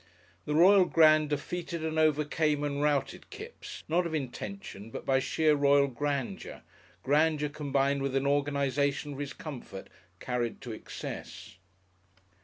The Royal Grand defeated and overcame and routed Kipps, not of intention, but by sheer royal grandeur, grandeur combined with an organisation for his comfort carried to excess.